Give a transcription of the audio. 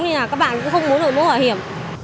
nhưng mà các bạn cũng không muốn đổi mũ bảo hiểm